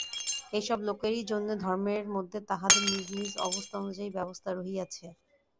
এইসব লোকেরই জন্য ধর্মের মধ্যে তাঁহাদের নিজ নিজ অবস্থানুযায়ী ব্যবস্থা রহিয়াছে।